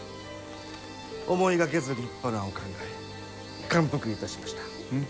思いがけず立派なお考え感服いたしました。